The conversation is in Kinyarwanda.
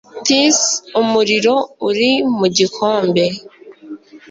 Tis umuriro uri mu gikombe